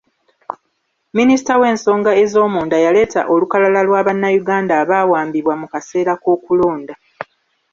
Minisita w’ensonga ez’omunda yaleeta olukalala lwa bannayuganda abaawambibwa mu kaseera k’okulonda.